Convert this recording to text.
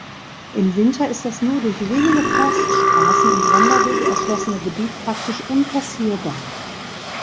Im Winter ist das nur durch wenige Forststraßen und Wanderwege erschlossene Gebiet praktisch unpassierbar.